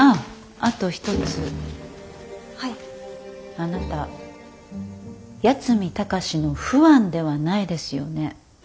あなた八海崇のファンではないですよね？